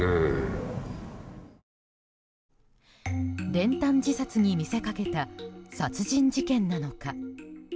練炭自殺に見せかけた殺人事件なのか。